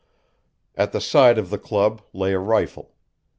At the side of the club lay a rifle.